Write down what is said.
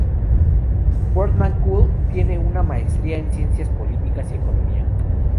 Wortmann-Kool tiene una Maestría en Ciencias Políticas y Economía.